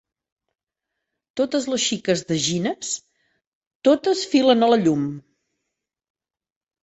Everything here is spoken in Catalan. Totes les xiques de Gines, totes filen a la llum.